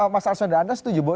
mas arswenda anda setuju bahwa